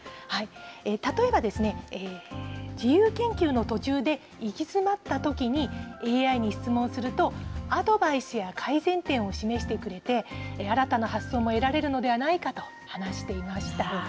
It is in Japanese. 例えばですね、自由研究の途中で行き詰まったときに、ＡＩに質問すると、アドバイスや改善点を示してくれて、新たな発想も得られるのではないかと話していました。